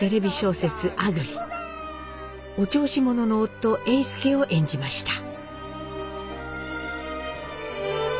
お調子者の夫エイスケを演じました。